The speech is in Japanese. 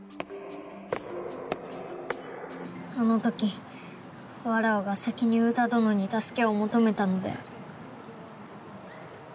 あの時わらわが先に宇田どのに助けを求めたのである。